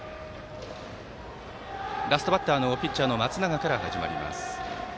ラストバッターのピッチャーの松永から始まります。